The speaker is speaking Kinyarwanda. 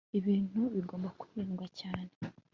ibintu bigomba kwirindwa cyane